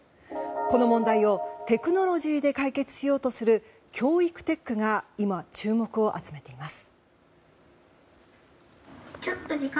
この問題をテクノロジーで解決しようとする教育テックが今、注目を集めています。